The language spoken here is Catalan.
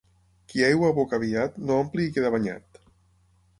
Qui aigua aboca aviat, no omple i queda banyat.